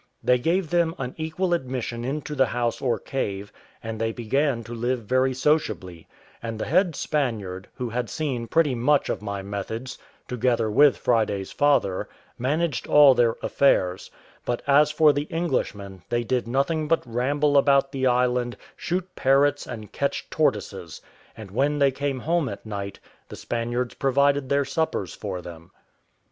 They gave them an equal admission into the house or cave, and they began to live very sociably; and the head Spaniard, who had seen pretty much of my methods, together with Friday's father, managed all their affairs; but as for the Englishmen, they did nothing but ramble about the island, shoot parrots, and catch tortoises; and when they came home at night, the Spaniards provided their suppers for them.